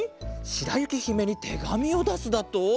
しらゆきひめにてがみをだすだと？